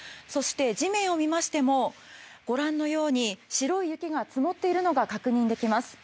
地面を見ましてもご覧のように白い雪が積もっているのが確認できます。